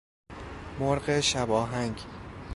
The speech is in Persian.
مرغ شب آهنگ